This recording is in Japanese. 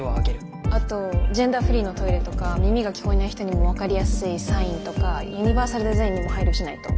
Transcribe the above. あとジェンダーフリーのトイレとか耳が聞こえない人にも分かりやすいサインとかユニバーサルデザインにも配慮しないと。